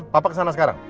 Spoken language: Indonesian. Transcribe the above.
papa kesana sekarang